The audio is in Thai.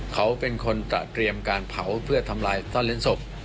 เขาเป็นคนตระเตรียมการเผาเพื่อทำลายซ่อนเล้นศพ